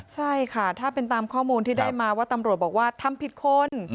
ใช่ค่ะถ้าเป็นตามข้อมูลที่ได้มาว่าตำรวจบอกว่าทำผิดคน